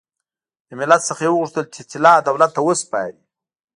له ملت څخه یې وغوښتل چې طلا دولت ته وسپاري.